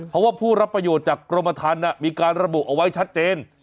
เพราะว่าผู้รับประโยชน์จากกรมทันมีการระบุเอาไว้ชัดเจน